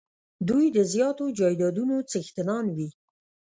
دوی د زیاتو جایدادونو څښتنان وي.